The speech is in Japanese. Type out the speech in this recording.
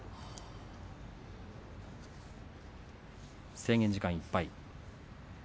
制限時間いっぱい。